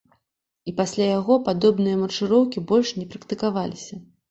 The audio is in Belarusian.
І пасля яго падобныя маршыроўкі больш не практыкаваліся.